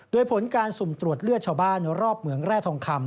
โดยผลการสุ่มตรวจเลือดชาวบ้านรอบเหมืองแร่ทองคำ